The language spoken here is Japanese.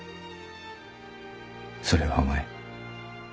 それがお前。